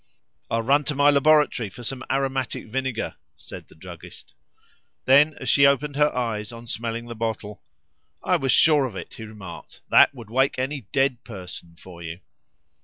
"I'll run to my laboratory for some aromatic vinegar," said the druggist. Then as she opened her eyes on smelling the bottle "I was sure of it," he remarked; "that would wake any dead person for you!"